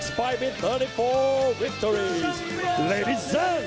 สร้างการที่กระทะนัก